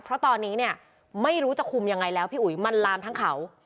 เพราะตอนนี้เนี่ยไม่รู้จะคุมยังไงแล้วพี่อุ๋ยมันลามทั้งเขา